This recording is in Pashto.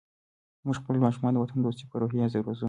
موږ خپل ماشومان د وطن دوستۍ په روحیه روزو.